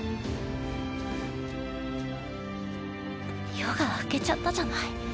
夜が明けちゃったじゃない。